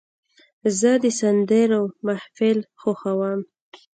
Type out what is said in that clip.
زه د سندرو محفل خوښوم.